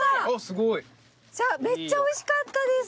めっちゃおいしかったです。